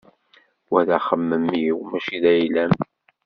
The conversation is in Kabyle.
Wa d axemmem-iw mačči d ayla-m.